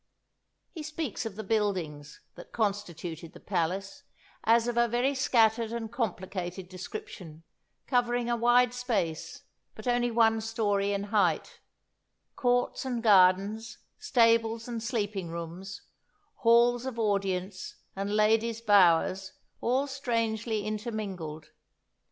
He speaks of the buildings, that constituted the palace, as of a very scattered and complicated description, covering a wide space, but only one story in height; courts and gardens, stables and sleeping rooms, halls of audience and ladies' bowers, all strangely intermingled.